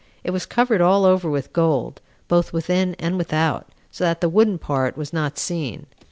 It was covered all over with gold, both within and without, so that the wooden part was not seen.